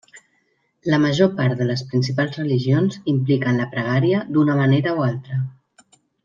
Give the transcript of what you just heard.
La major part de les principals religions impliquen la pregària d'una manera o altra.